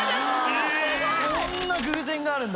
そんな偶然があるんだ。